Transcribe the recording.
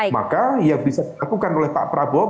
maka yang bisa dilakukan oleh pak prabowo